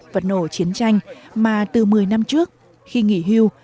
vật nổ chiến tranh mà từ một mươi năm trước khi nghỉ hưu